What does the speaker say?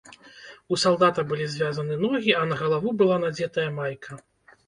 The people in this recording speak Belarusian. У салдата былі звязаны ногі, а на галаву была надзетая майка.